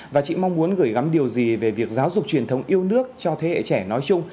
và chị mong muốn gửi gắm điều gì về việc giáo dục truyền thống yêu nước cho thế hệ trẻ nói chung